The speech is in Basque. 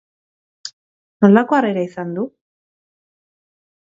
Nolako harrera izan du?